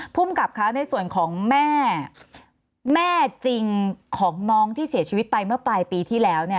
ภูมิกับเขาในส่วนของแม่แม่จริงของน้องที่เสียชีวิตไปเมื่อปลายปีที่แล้ว